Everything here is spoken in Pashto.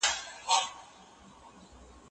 د موبایل بندول کله کله د روح سکون دی.